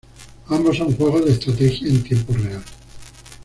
Ambos son juegos de estrategia en tiempo real.